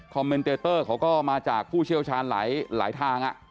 เมนเตเตอร์เขาก็มาจากผู้เชี่ยวชาญหลายทาง